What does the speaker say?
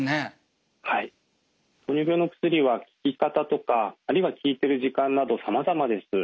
糖尿病の薬は効き方とかあるいは効いてる時間などさまざまです。